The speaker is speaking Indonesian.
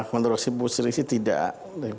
menurut bu sri tidak